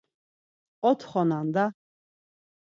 Otxonan da.